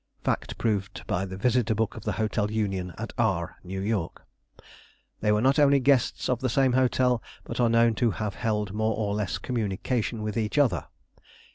Fact proved by Visitor Book of the Hotel Union at R , New York. "They were not only guests of the same hotel, but are known to have held more or less communication with each other.